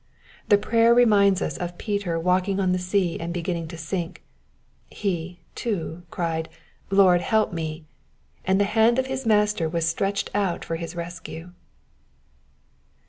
The prayer reminds us of Peter walking on the sea and beginning to sink; he, too, cried, *'Lord, help me,'* and the hand of his Master was stretched^ out for his rescue.